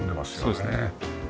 そうですね。